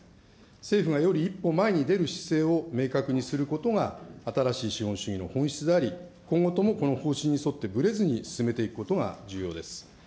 政府がより一歩前に出る姿勢を明確にすることが新しい資本主義の本質であり、今後ともこの方針に沿ってぶれずに進めていくことが重要です。